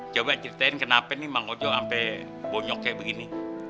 coba ceritain kenapa bang ojo sampai bonyok kayak begini